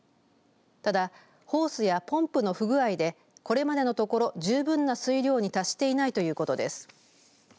ただ、ホースやポンプの不具合でこれまでのところ十分な水量に達していないということです。